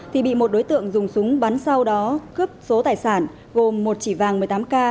thì bị một đối tượng dùng súng bắn sau đó cướp số tài sản gồm một chỉ vàng một mươi tám k